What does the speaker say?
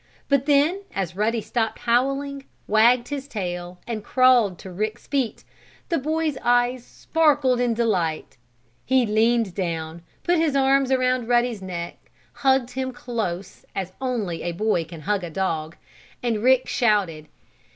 But then, as Ruddy stopped howling, wagged his tail and crawled to Rick's feet, the boy's eyes sparkled in delight. He leaned down, put his arms around Ruddy's neck, hugging him close, as only a boy can hug a dog, and Rick shouted.